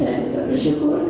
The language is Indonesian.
dan tetap bersyukur